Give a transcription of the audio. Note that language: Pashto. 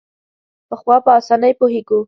پخوا په اسانۍ پوهېږو.